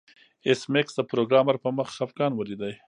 ایس میکس د پروګرامر په مخ خفګان ولید